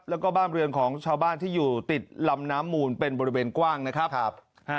แล้วก็บ้านเรือนของชาวบ้านที่อยู่ติดลำน้ำมูลเป็นบริเวณกว้างนะครับ